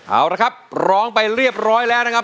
เอาละครับร้องไปเรียบร้อยแล้วนะครับ